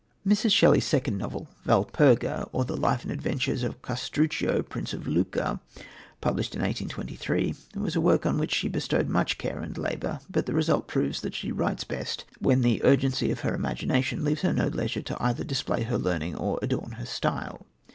Mrs. Shelley's second novel, Valperga, or the Life and Adventures of Castruccio, Prince of Lucca, published in 1823, was a work on which she bestowed much care and labour, but the result proves that she writes best when the urgency of her imagination leaves her no leisure either to display her learning or adorn her style.